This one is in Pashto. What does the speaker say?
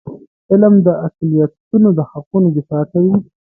علم د اقلیتونو د حقونو دفاع کوي.